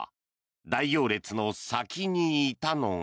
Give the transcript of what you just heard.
大行列の先にいたのが。